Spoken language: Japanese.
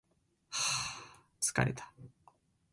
はー疲れた